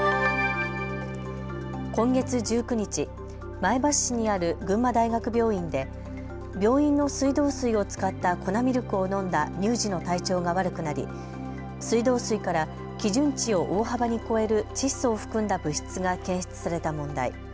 今月１９日、前橋市にある群馬大学病院で病院の水道水を使った粉ミルクを飲んだ乳児の体調が悪くなり水道水から基準値を大幅に超える窒素を含んだ物質が検出された問題。